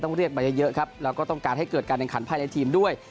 เรียกมาเยอะครับแล้วก็ต้องการให้เกิดการแข่งขันภายในทีมด้วย